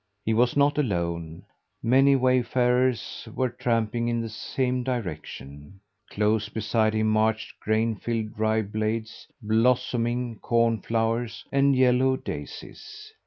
He was not alone, many wayfarers were tramping in the same direction. Close beside him marched grain filled rye blades, blossoming corn flowers, and yellow daisies.